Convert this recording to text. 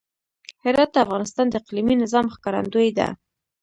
هرات د افغانستان د اقلیمي نظام ښکارندوی ده.